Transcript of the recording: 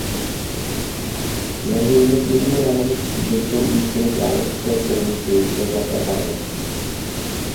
Mezi jednotlivými rameny kříže jsou umístěny královské korunky ve zlaté barvě.